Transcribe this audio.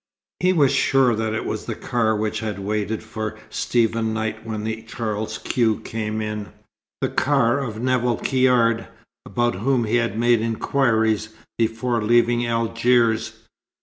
He was sure that it was the car which had waited for Stephen Knight when the Charles Quex came in, the car of Nevill Caird, about whom he had made inquiries before leaving Algiers.